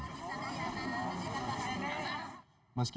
masih tidak ada yang bisa dibebaskan